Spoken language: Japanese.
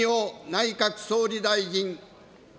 内閣総理大臣。